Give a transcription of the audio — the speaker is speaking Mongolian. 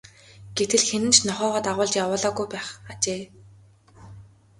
Гэтэл хэн нь ч нохойгоо дагуулж явуулаагүй байх ажээ.